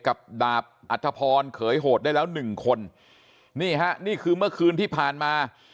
กับดาบอัธพรเขยโหดได้แล้วหนึ่งคนนี่ฮะนี่คือเมื่อคืนที่ผ่านมา